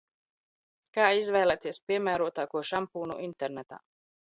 Kā izvēlēties piemērotāko šampūnu internetā?